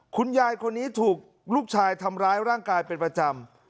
คุณยายคนนี้ถูกลูกชายทำร้ายร่างกายเป็นประจำ